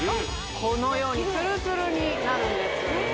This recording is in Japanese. このようにつるつるになるんですえ